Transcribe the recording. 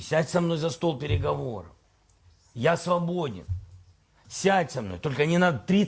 saya bergurau saya bergurau dan lain lain